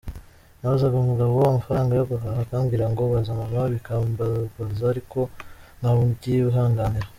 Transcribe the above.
Nabazaga umugabo amafaranga yo guhaha akambwira ngo ‘Baza mama’ bikambabaza ariko nkabyihanganira.